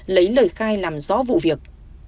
lấy lời khai làm rõ vụ việc